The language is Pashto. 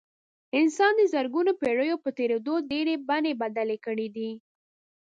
انسان د زرګونو پېړیو په تېرېدو ډېرې بڼې بدلې کړې دي.